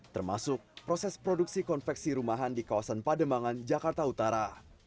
termasuk proses produksi konveksi rumahan di kawasan pademangan jakarta utara